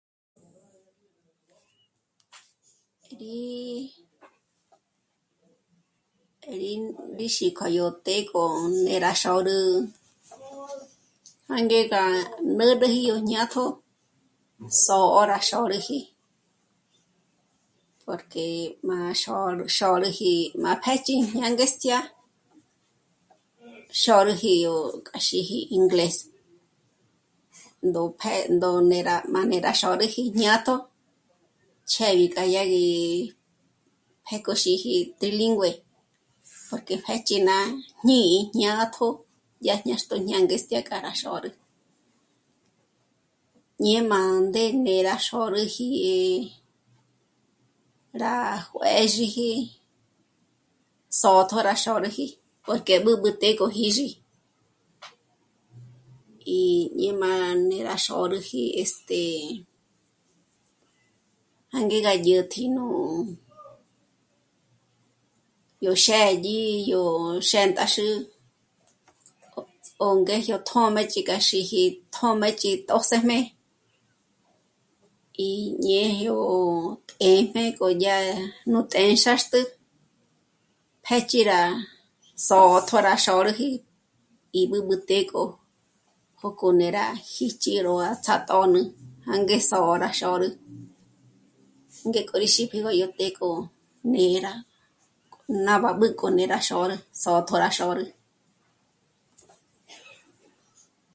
Rí, rín, rí xí k'o yó të́'ë k'o né'e rá xôrü jânge gá nä̌räji ó jñátjo só'o rá xôrüji porque má xôrü, xôrüji má pë́chji jñángestjya xôrüji yó k'a xíji inglés ndó pjë́'ë ndó né'e rá má né'e rá xôrüji jñátjo chjébi k'a yá gí pjék'o xíji trilingüe, porque pjéch'i ná ñí'i jñátjo yá ñáxtjo jñángestjya k'a rá xôrü, ñé mâ'a ndém'e rá xôrüji rá juë̌zhiji sǒtjo rá xôrüji porque b'ǚb'ü të́'ë k'o jízhi. Í ñe mâ'a né'e rá xôrüji este... jânge gá dyä̀t'ä nú... yó xë́dyi, yó xéndaxü ó ngéjyo tjö́mëch'i k'a síji tjö́mëch'i tjṓsëjme, í ñe yó të́'ëjmé k'o yá nú të́'ë xáxtü, pjéchji rá sǒtjo rá xôrüji, í b'ǚb'ü të́'ë k'o, jó k'o né'e rá jíchi ró a tsját'ǒnü jânge sǒ'o rá xôrü, ngék'o rí xíp'igo yó të́'ë k'o né'e rá k'o náb'a b'ǚnk'ojmé né'e rá xôrü sǒtjo rá xôrü